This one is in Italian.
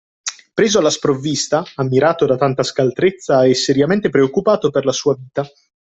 Preso alla sprovvista, ammirato da tanta scaltrezza e seriamente preoccupato per la sua vita